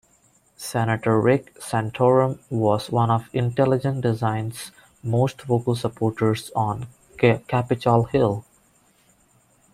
Senator Rick Santorum was one of intelligent design's most vocal supporters on Capitol Hill.